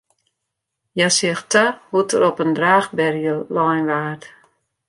Hja seach ta hoe't er op in draachberje lein waard.